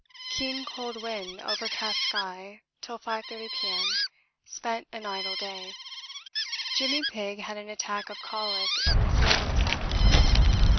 Keen cold wind overcast sky till 5.30 P.M. Spent an idle day. Jimmy Pigg had an attack of colic in the stable this afternoon.